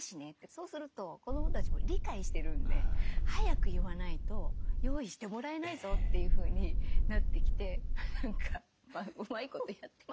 そうすると子どもたちも理解してるんで早く言わないと用意してもらえないぞというふうになってきて何かうまいことやってますけど。